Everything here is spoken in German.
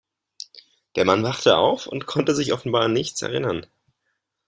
Der Mann wachte auf und konnte sich offenbar an nichts erinnern.